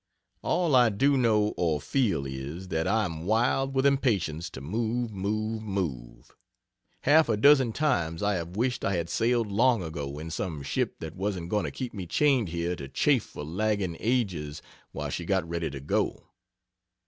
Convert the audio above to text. All I do know or feel, is, that I am wild with impatience to move move move! Half a dozen times I have wished I had sailed long ago in some ship that wasn't going to keep me chained here to chafe for lagging ages while she got ready to go.